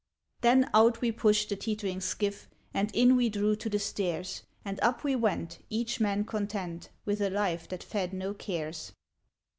Then out we pushed the teetering skiiF And in we drew to the stairs ; And up we went, each man content With a life that fed no cares.